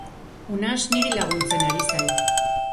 Unax niri laguntzen ari zait.